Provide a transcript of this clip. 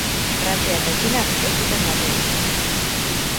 Frantzia eta Txinak ez zuten bat egin.